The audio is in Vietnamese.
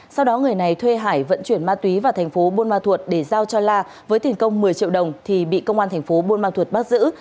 sau đó người này thuê hải vận chuyển ma túy vào thành phố buôn ma thuột để giao cho la với tiền công một mươi triệu đồng thì bị công an thành phố buôn ma thuột bắt giữ